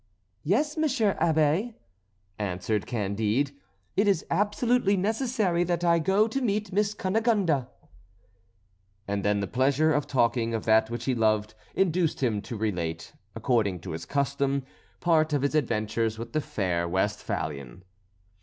"Yes, monsieur Abbé," answered Candide. "It is absolutely necessary that I go to meet Miss Cunegonde." And then the pleasure of talking of that which he loved induced him to relate, according to his custom, part of his adventures with the fair Westphalian.